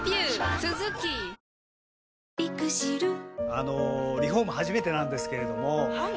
あのリフォーム初めてなんですけれどもはい。